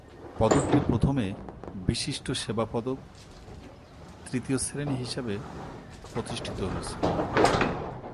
পদকটি প্রথমে "বিশিষ্ট সেবা পদক, তৃতীয় শ্রেণি" হিসাবে প্রতিষ্ঠিত হয়েছিল।